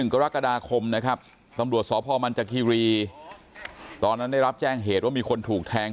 กรกฎาคมนะครับตำรวจสพมันจคีรีตอนนั้นได้รับแจ้งเหตุว่ามีคนถูกแทง